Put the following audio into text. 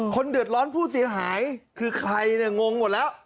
คนเดือดร้อนผู้เสียหายคือใครเนี่ยงงหมดแล้ว